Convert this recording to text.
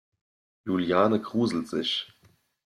Juliane gruselt sich.